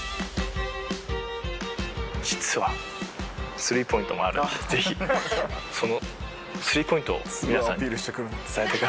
実はスリーポイントもあるのでぜひそのスリーポイントを皆さんに伝えてください。